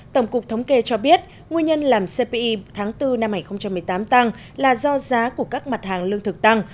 tổng cục thống kê cho biết nguyên nhân làm cpi tháng bốn năm hai nghìn một mươi tám tăng là do giá của các mặt hàng lương thực tăng